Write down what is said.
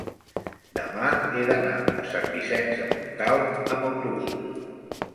demà he d'anar a Sant Vicenç de Montalt amb autobús.